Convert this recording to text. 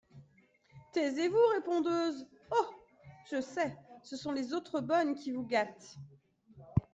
Taisez-vous, répondeuse !… Oh ! je sais, ce sont les autres bonnes qui vous gâtent.